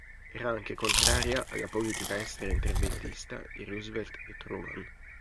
Era anche contraria alla politica estera interventista di Roosevelt e Truman.